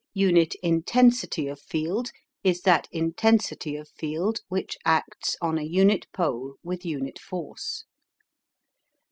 UNIT INTENSITY OF FIELD is that intensity of field which acts on a unit pole with unit force.